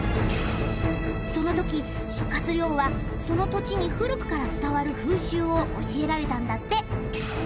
その時諸亮はその土地に古くから伝わる風習を教えられたんだって。